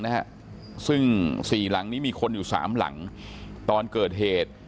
นะฮะซึ่งสี่หลังนี้มีคนอยู่สามหลังตอนเกิดเหตุ